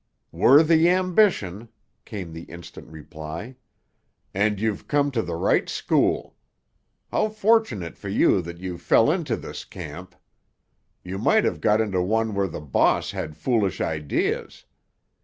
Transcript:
"Worthy ambition," came the instant reply, "and you've come to the right school. How fortunate for you that you fell into this camp! You might have got into one where the boss had foolish ideas.